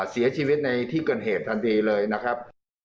เสียชีวิตในที่เกิดเหตุทันทีเลยนะครับ